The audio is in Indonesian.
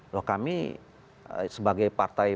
loh kami sebagai partai